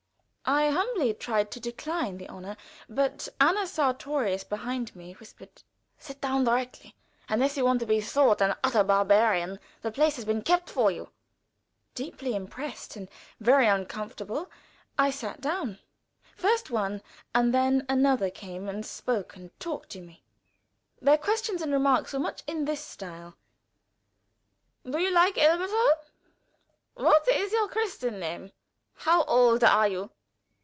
I humbly tried to decline the honor, but Anna Sartorius, behind me, whispered: "Sit down directly, unless you want to be thought an utter barbarian. The place has been kept for you." Deeply impressed, and very uncomfortable, I sat down. First one and then another came and spoke and talked to me. Their questions and remarks were much in this style: "Do you like Elberthal? What is your Christian name? How old are you?